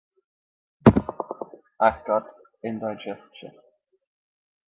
I've got indigestion.